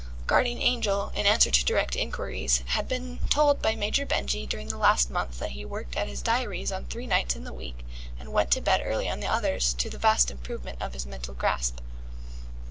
Guardian Angel, in answer to direct inquiries, had been told by Major Benjy during the last month that he worked at his diaries on three nights in the week and went to bed early on the others, to the vast improvement of his mental grasp.